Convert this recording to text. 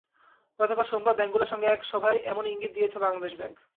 গতকাল সোমবার ব্যাংকগুলোর সঙ্গে এক সভায় এমনই ইঙ্গিত দিয়েছে বাংলাদেশ ব্যাংক।